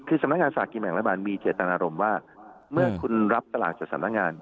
คือสำนักงานสลากกินแบ่งรัฐบาลมีเจตนารมณ์ว่าเมื่อคุณรับตลาดจากสำนักงาน